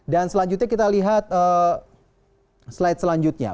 dan selanjutnya kita lihat slide selanjutnya